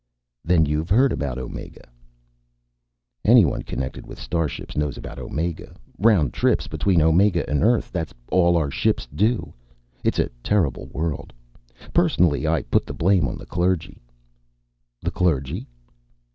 "Then you've heard about Omega?" "Anyone connected with starships knows about Omega. Round trips between Omega and Earth, that's all our ships do. It's a terrible world. Personally, I put the blame on the clergy." "The clergy?"